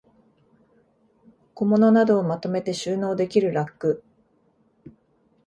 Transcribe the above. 小物などをまとめて収納できるラック